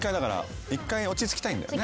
１回落ち着きたいんだよね。